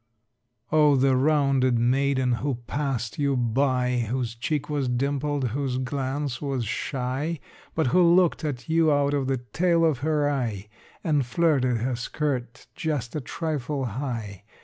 Oh, the rounded maiden who passed you by, Whose cheek was dimpled, whose glance was shy, But who looked at you out of the tail of her eye, And flirted her skirt just a trifle high!